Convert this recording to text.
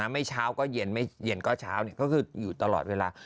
ไม่เช้าก็เย็นไม่เย็นก็เช้าก็คืออยู่ตลอดเวลา